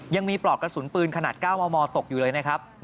ปลอกกระสุนปืนขนาด๙มมตกอยู่เลยนะครับ